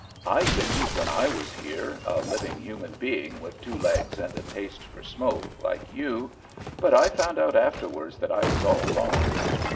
"I didn't when I was here, a living human being with two legs and a taste for smoke, like you. But I found out afterwards that I was all wrong.